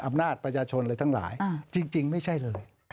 อำนาจประชาชนอะไรทั้งหลายจริงไม่ใช่เลย